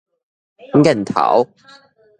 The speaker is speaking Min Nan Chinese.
癮頭